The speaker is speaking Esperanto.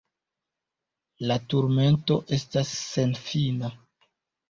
La turmento estas senfina.